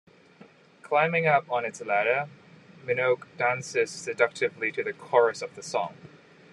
Climbing up on its ladder, Minogue dances seductively to the chorus of the song.